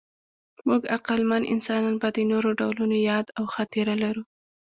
موږ عقلمن انسانان به د نورو ډولونو یاد او خاطره لرو.